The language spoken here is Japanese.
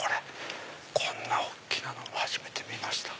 こんな大きなの初めて見ました。